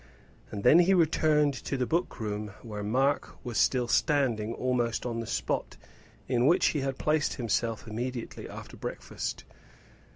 And then he returned to the book room where Mark was still standing almost on the spot in which he had placed himself immediately after breakfast.